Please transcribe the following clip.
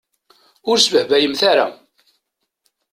Ur sbehbayemt ara.